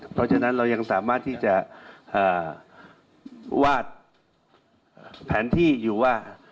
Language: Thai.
เพราะฉะนั้นเรายังสามารถที่จะวาดแผนที่อยู่ว่า